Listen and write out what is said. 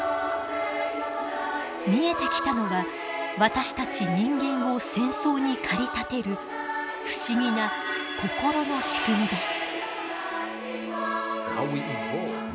見えてきたのは私たち人間を戦争に駆り立てる不思議な心の仕組みです。